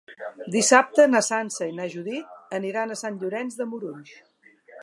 Dissabte na Sança i na Judit aniran a Sant Llorenç de Morunys.